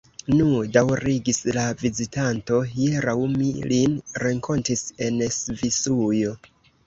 Nu, daŭrigis la vizitanto, hieraŭ mi lin renkontis en Svisujo.